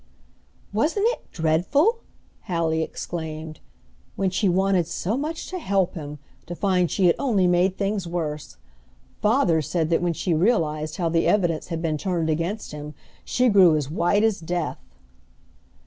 "Wasn't it dreadful!" Hallie exclaimed. "When she wanted so much to help him, to find she had only made things worse. Father said that when she realized how the evidence had been turned against him she grew as white as death."